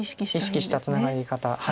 意識したツナガリ方。